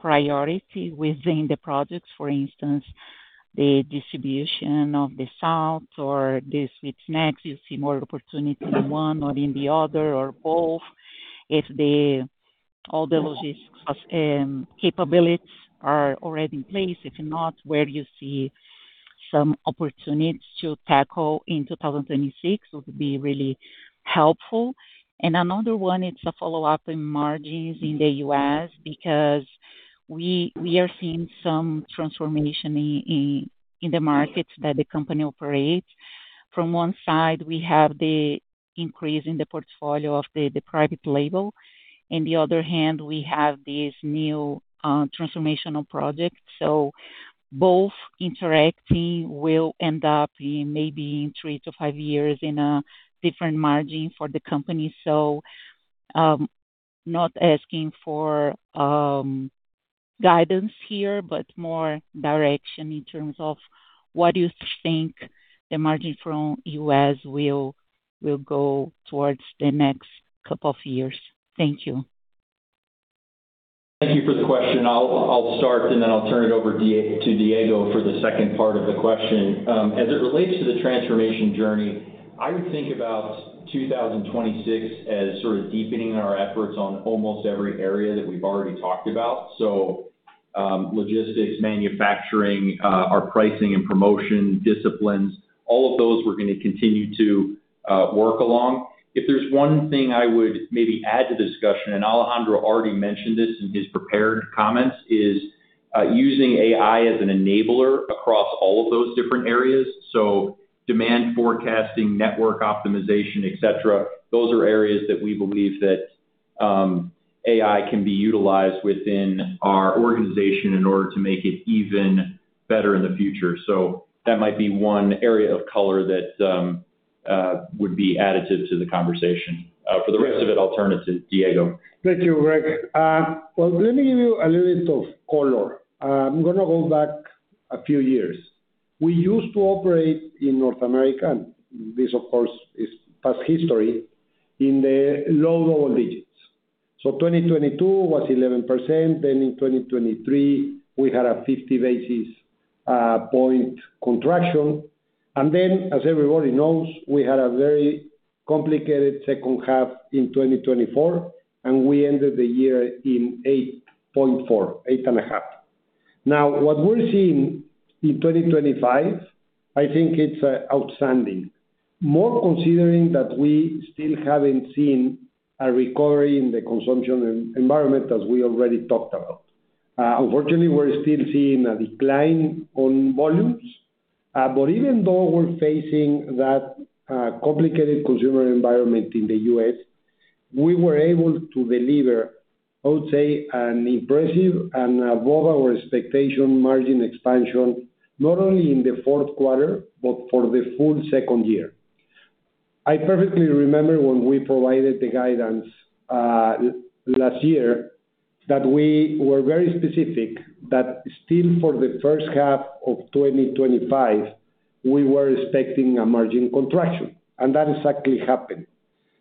priority within the projects? For instance, the distribution of the South or the sweet snacks, you see more opportunity in one or in the other or both. If all the logistics capabilities are already in place, if not, where do you see some opportunities to tackle in 2026, would be really helpful. Another one, it's a follow-up in margins in the U.S., because we are seeing some transformation in the markets that the company operates. From one side, we have the increase in the portfolio of the private label. In the other hand, we have this new transformational project. Both interacting will end up in maybe in three to five years in a different margin for the company. Not asking for guidance here, but more direction in terms of what you think the margin from U.S. will go towards the next couple of years. Thank you. Thank you for the question. I'll start and then I'll turn it over to Diego for the second part of the question. As it relates to the transformation journey, I would think about 2026 as sort of deepening our efforts on almost every area that we've already talked about. Logistics, manufacturing, our pricing and promotion disciplines, all of those we're gonna continue to work along. If there's one thing I would maybe add to the discussion, and Alejandro already mentioned this in his prepared comments, is using AI as an enabler across all of those different areas. Demand forecasting, network optimization, et cetera, those are areas that we believe that AI can be utilized within our organization in order to make it even better in the future. That might be one area of color that would be added to the conversation. For the rest of it, I'll turn it to Diego. Thank you, Greg. Well, let me give you a little bit of color. I'm gonna go back a few years. We used to operate in North America, and this, of course, is past history, in the low double digits. 2022 was 11%, then in 2023, we had a 50 basis point contraction. Then, as everybody knows, we had a very complicated second half in 2024, and we ended the year in 8.4%, 8.5%. Now, what we're seeing in 2025, I think it's outstanding. More considering that we still haven't seen a recovery in the consumption environment, as we already talked about. Unfortunately, we're still seeing a decline on volumes. Even though we're facing that complicated consumer environment in the U.S., we were able to deliver, I would say, an impressive and above our expectation margin expansion, not only in the fourth quarter, but for the full second year. I perfectly remember when we provided the guidance last year, that we were very specific that still for the first half of 2025, we were expecting a margin contraction, and that exactly happened.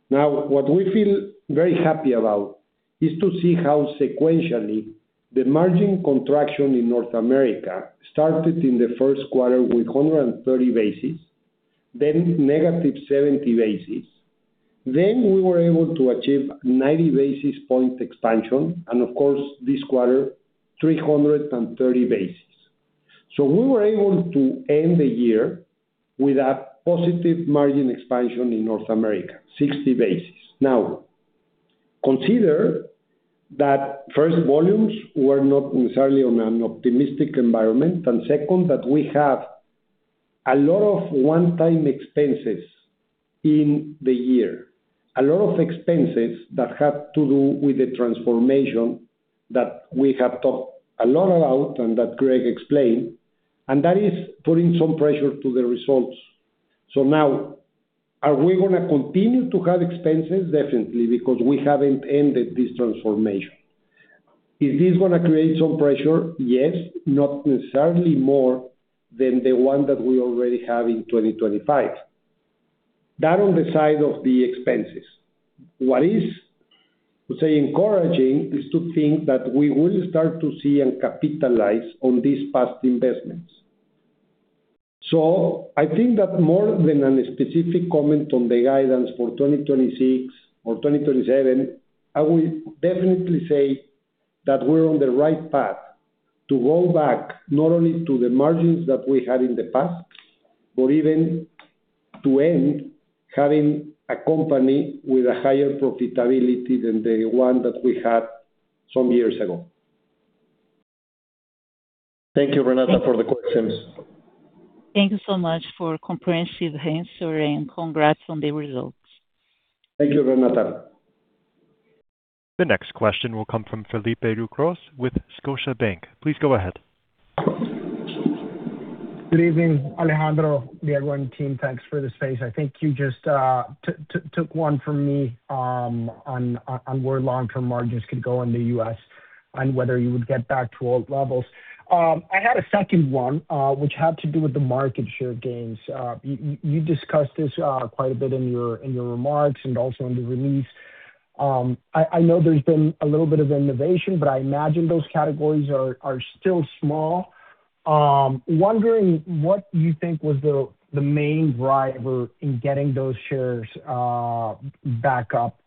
What we feel very happy about is to see how sequentially, the margin contraction in North America started in the first quarter with 130 basis points, then negative 70 basis points. We were able to achieve 90 basis point expansion and, of course, this quarter, 330 basis points. We were able to end the year with a positive margin expansion in North America, 60 basis points. Consider that first, volumes were not necessarily on an optimistic environment, and second, that we have a lot of one-time expenses in the year, a lot of expenses that have to do with the transformation that we have talked a lot about and that Greg explained, and that is putting some pressure to the results. Are we gonna continue to have expenses? Definitely, because we haven't ended this transformation. Is this gonna create some pressure? Yes, not necessarily more than the one that we already have in 2025. That on the side of the expenses. What is, let's say, encouraging, is to think that we will start to see and capitalize on these past investments. I think that more than a specific comment on the guidance for 2026 or 2027, I will definitely say that we're on the right path to go back not only to the margins that we had in the past, but even to end having a company with a higher profitability than the one that we had some years ago. Thank you, Renata, for the questions. Thank you so much for comprehensive answer, and congrats on the results. Thank you, Renata. The next question will come from Felipe Ucros with Scotiabank. Please go ahead. Good evening, Alejandro, Diego, and team. Thanks for the space. I think you just took one from me, on where long-term margins could go in the U.S. and whether you would get back to old levels. I had a second one, which had to do with the market share gains. You discussed this quite a bit in your remarks and also in the release. I know there's been a little bit of innovation, but I imagine those categories are still small. Wondering what you think was the main driver in getting those shares back up?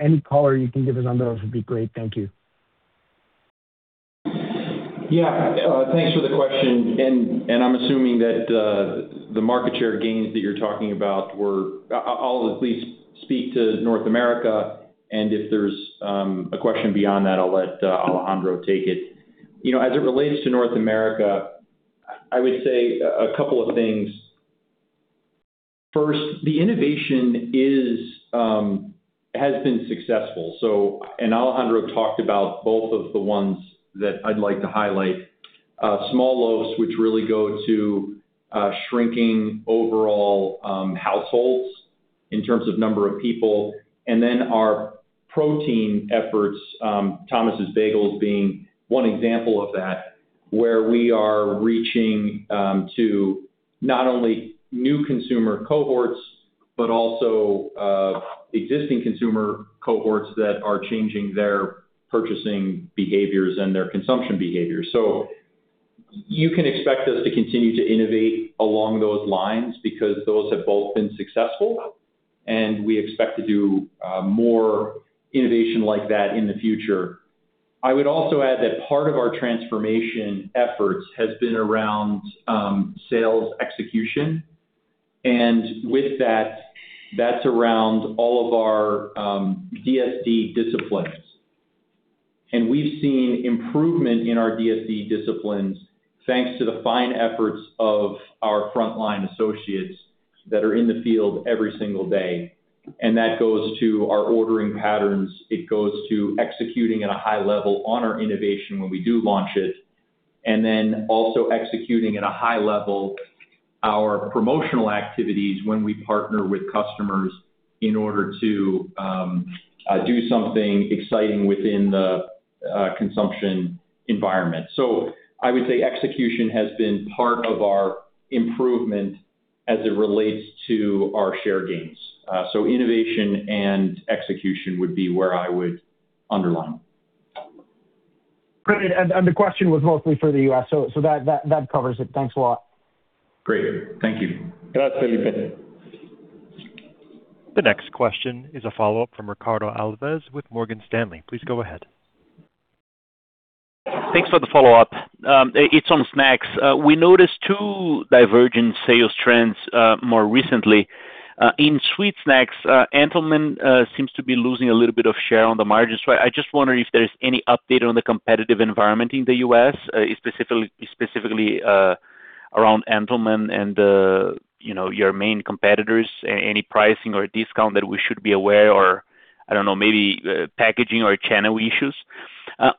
Any color you can give us on those would be great. Thank you. Yeah, thanks for the question. I'm assuming that the market share gains that you're talking about were... I'll at least speak to North America, and if there's a question beyond that, I'll let Alejandro Rodríguez take it. You know, as it relates to North America, I would say a couple of things. First, the innovation is has been successful. Alejandro Rodríguez talked about both of the ones that I'd like to highlight. Small loaves, which really go to shrinking overall households in terms of number of people. Then our protein efforts, Thomas' Bagels being one example of that, where we are reaching to not only new consumer cohorts, but also existing consumer cohorts that are changing their purchasing behaviors and their consumption behaviors. You can expect us to continue to innovate along those lines, because those have both been successful, and we expect to do more innovation like that in the future. I would also add that part of our transformation efforts has been around sales execution, and with that's around all of our DSD disciplines. And we've seen improvement in our DSD disciplines, thanks to the fine efforts of our frontline associates that are in the field every single day. And that goes to our ordering patterns, it goes to executing at a high level on our innovation when we do launch it, and then also executing at a high level our promotional activities when we partner with customers in order to do something exciting within the consumption environment. I would say execution has been part of our improvement as it relates to our share gains. Innovation and execution would be where I would underline. Great. The question was mostly for the U.S., so that covers it. Thanks a lot. Great. Thank you. Gracias, Felipe. The next question is a follow-up from Ricardo Alves with Morgan Stanley. Please go ahead. Thanks for the follow-up. It's on snacks. We noticed two divergent sales trends more recently. In sweet snacks, Entenmann's seems to be losing a little bit of share on the margins. I just wonder if there's any update on the competitive environment in the U.S. around Entenmann's and, you know, your main competitors. Any pricing or discount that we should be aware or, I don't know, maybe, packaging or channel issues?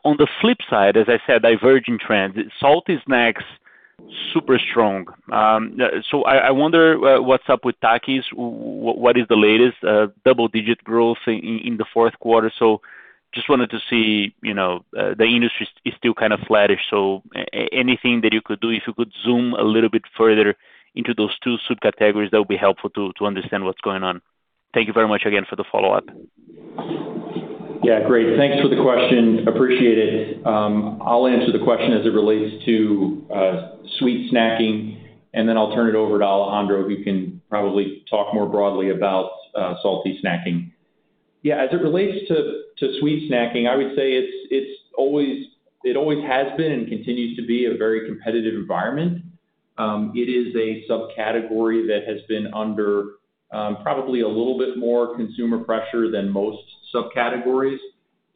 On the flip side, as I said, divergent trends, salty snacks, super strong. I wonder, what's up with Takis? What is the latest double-digit growth in the fourth quarter? Just wanted to see, you know, the industry is still kind of flattish, so anything that you could do, if you could zoom a little bit further into those two subcategories, that would be helpful to understand what's going on. Thank you very much again for the follow-up. Great, thanks for the question. Appreciate it. I'll answer the question as it relates to sweet snacking, and then I'll turn it over to Alejandro, who can probably talk more broadly about salty snacking. As it relates to sweet snacking, I would say it always has been and continues to be a very competitive environment. It is a subcategory that has been under probably a little bit more consumer pressure than most subcategories,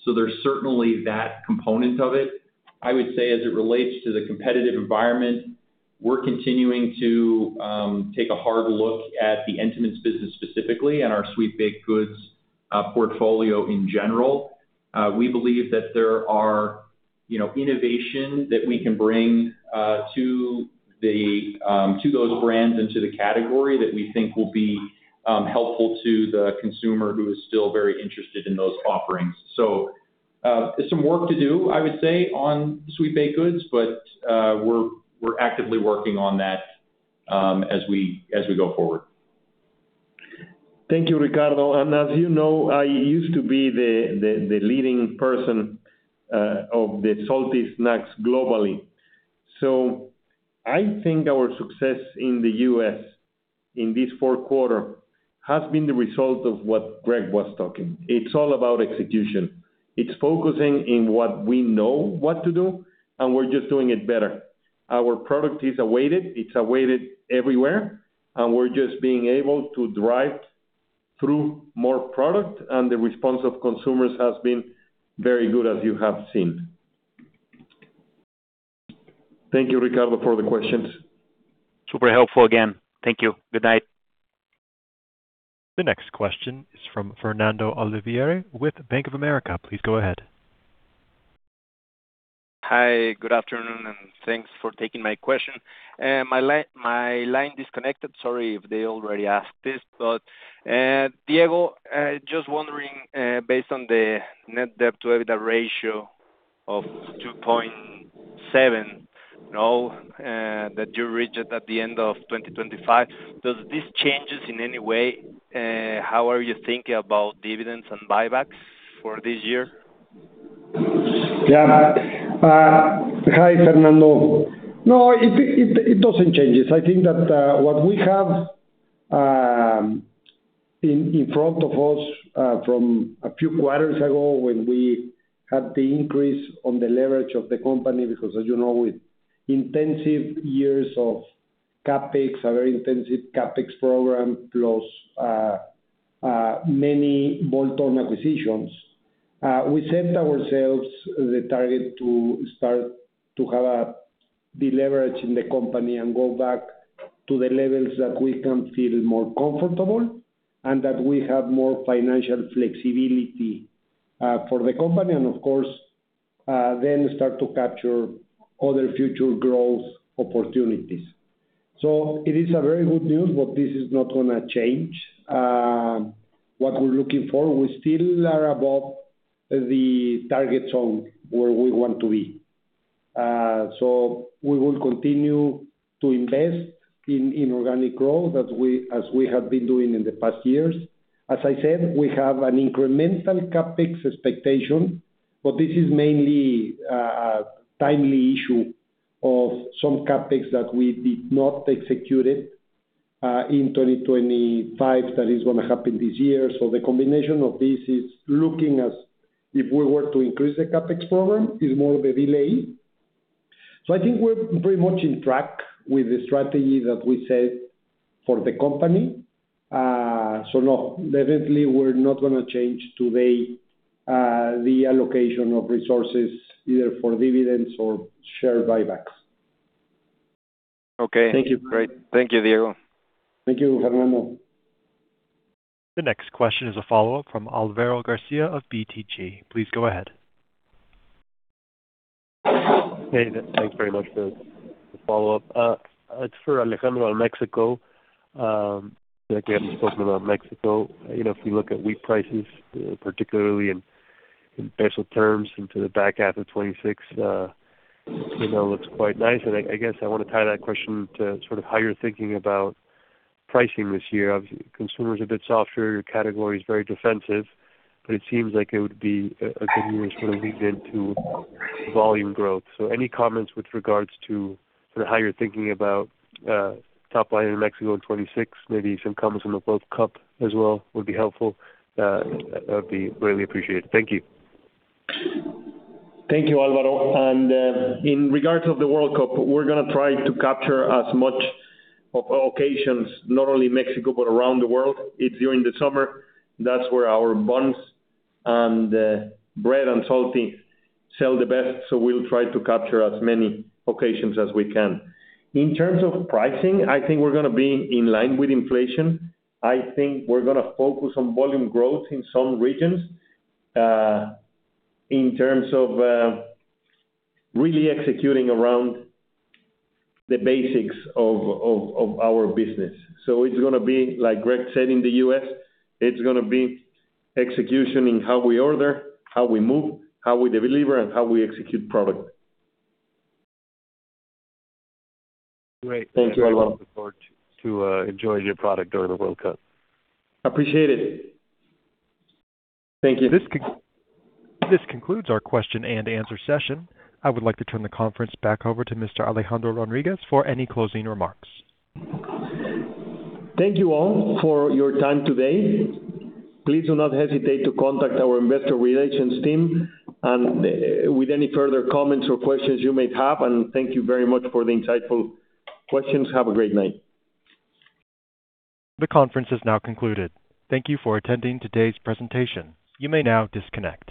so there's certainly that component of it. I would say, as it relates to the competitive environment, we're continuing to take a hard look at the Entenmann's business specifically and our sweet baked goods portfolio in general. We believe that there are, you know, innovation that we can bring to those brands and to the category that we think will be helpful to the consumer who is still very interested in those offerings. There's some work to do, I would say, on sweet baked goods, but we're actively working on that as we, as we go forward. Thank you, Ricardo. As you know, I used to be the leading person of the salty snacks globally. I think our success in the U.S. in this fourth quarter has been the result of what Greg was talking. It's all about execution. It's focusing in what we know what to do, and we're just doing it better. Our product is awaited, it's awaited everywhere, and we're just being able to drive through more product, and the response of consumers has been very good, as you have seen. Thank you, Ricardo, for the questions. Super helpful again. Thank you. Good night. The next question is from Fernando Olivieri with Bank of America. Please go ahead. Hi, good afternoon, and thanks for taking my question. My line disconnected, sorry if they already asked this. Diego, just wondering, based on the net debt to EBITDA ratio of 2.7, no, that you reached at the end of 2025, does this changes in any way, how are you thinking about dividends and buybacks for this year? Hi, Fernando. No, it doesn't change it. I think that what we have in front of us from a few quarters ago, when we had the increase on the leverage of the company, because, as you know, with intensive years of CapEx, a very intensive CapEx program, plus many bolt-on acquisitions, we set ourselves the target to start to have a deleveraging in the company and go back to the levels that we can feel more comfortable, and that we have more financial flexibility for the company, and of course, then start to capture other future growth opportunities. It is a very good news, but this is not gonna change what we're looking for. We still are above the target zone where we want to be. We will continue to invest in organic growth, as we have been doing in the past years. As I said, we have an incremental CapEx expectation, but this is mainly, a timely issue of some CapEx that we did not execute, in 2025, that is gonna happen this year. The combination of this is looking as if we were to increase the CapEx program, is more of a delay. I think we're pretty much in track with the strategy that we set for the company. No, definitely we're not gonna change today, the allocation of resources, either for dividends or share buybacks. Okay. Thank you. Great. Thank you, Diego. Thank you, Fernando. The next question is a follow-up from Alvaro Garcia of BTG. Please go ahead. Hey, thanks very much for the follow-up. It's for Alejandro in Mexico. Like we haven't spoken about Mexico. You know, if you look at wheat prices, particularly in MXN peso terms into the back half of 2026, you know, it looks quite nice. I guess I wanna tie that question to sort of how you're thinking about pricing this year. Obviously, consumer is a bit softer, your category is very defensive, but it seems like it would be a good year to sort of lean into volume growth. Any comments with regards to sort of how you're thinking about top line in Mexico in 2026? Maybe some comments on the World Cup as well would be helpful. That'd be greatly appreciated. Thank you. Thank you, Alvaro. In regards of the World Cup, we're gonna try to capture as much of occasions, not only Mexico, but around the world. It's during the summer. That's where our buns and bread and salty sell the best, we'll try to capture as many occasions as we can. In terms of pricing, I think we're gonna be in line with inflation. I think we're gonna focus on volume growth in some regions, in terms of really executing around the basics of our business. It's gonna be, like Greg said, in the U.S., it's gonna be execution in how we order, how we move, how we deliver, and how we execute product. Great. Thanks, Alvaro. Look forward to enjoy your product during the World Cup. Appreciate it. Thank you. This concludes our question and answer session. I would like to turn the conference back over to Mr. Alejandro Rodriguez for any closing remarks. Thank you all for your time today. Please do not hesitate to contact our investor relations team, and with any further comments or questions you may have, and thank you very much for the insightful questions. Have a great night. The conference is now concluded. Thank you for attending today's presentation. You may now disconnect.